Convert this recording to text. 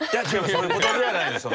そういうことではないです。